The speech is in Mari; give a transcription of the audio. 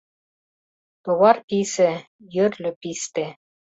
Товар писе Йӧрльӧ писте